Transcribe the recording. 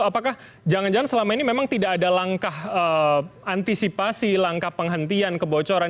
apakah jangan jangan selama ini memang tidak ada langkah antisipasi langkah penghentian kebocoran